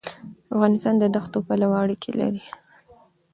افغانستان د دښتو پلوه اړیکې لري.